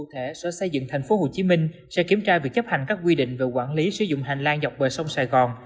sở xây dựng tp hcm sẽ kiểm tra việc chấp hành các quy định về quản lý sử dụng hành lang dọc bờ sông sài gòn